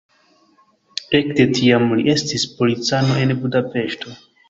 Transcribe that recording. Ekde tiam li estis policano en Budapeŝto.